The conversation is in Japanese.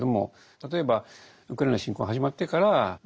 例えばウクライナの侵攻が始まってから再びですね